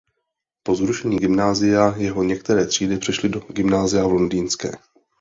Po zrušení gymnázia jeho některé třídy přešly do gymnázia v Londýnské.